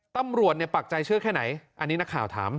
ตำรวจปักใจเชื่อแค่ไหนอันนี้นักข่าวถาม